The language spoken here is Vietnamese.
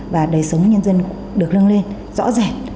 và đời sống nhân dân được lưng lên rõ rệt